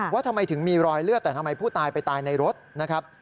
ว่าทำไมถึงมีรอยเลือดแต่ทำไมผู้ตายไปตายในรถนะครับ